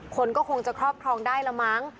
คนก็คงจะครอบครองได้ละมั้ง